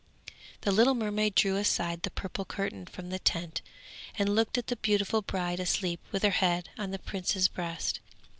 The little mermaid drew aside the purple curtain from the tent and looked at the beautiful bride asleep with her head on the prince's breast.